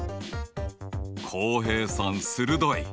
浩平さん鋭い。